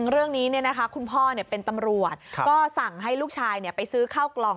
เรื่องนี้คุณพ่อเป็นตำรวจก็สั่งให้ลูกชายไปซื้อข้าวกล่อง